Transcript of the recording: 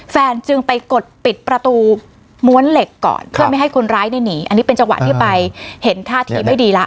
แฟนจึงไปกดปิดประตูม้วนเหล็กก่อนเพื่อไม่ให้คนร้ายได้หนีอันนี้เป็นจังหวะที่ไปเห็นท่าทีไม่ดีแล้ว